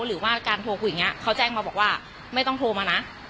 หรือว่าการโทรคุยอย่างนี้เขาแจ้งมาบอกว่าไม่ต้องโทรมานะ